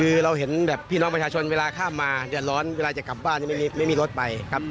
คือเราเห็นแบบพี่น้องประชาชนเวลาข้ามมาเดือดร้อนเวลาจะกลับบ้านไม่มีรถไปครับ